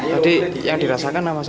tadi yang dirasakan nama saya